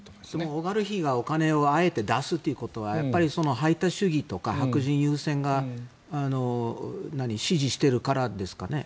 オリガルヒがあえてお金を出すということは排他主義とか白人優先が支持しているからですかね。